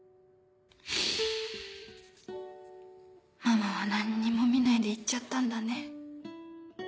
ママは何にも見ないで行っちゃったんだね。